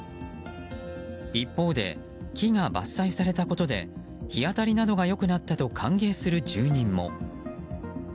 一方で木が伐採されたことで日当たりなどがよくなったと歓迎する住民も。